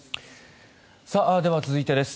では、続いてです。